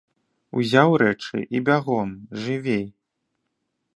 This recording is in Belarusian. Узяў рэчы і бягом, жывей!!!